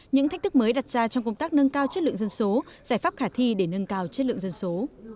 những thách thức mới đặt ra trong công tác nâng cao chất lượng dân số giải pháp khả thi để nâng cao chất lượng dân số